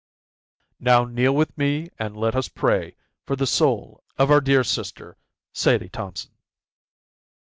"Now kneel with me and let us pray for the soul of our dear sister, Sadie Thompson."